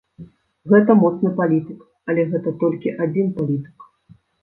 Гэта моцны палітык, але гэта толькі адзін палітык.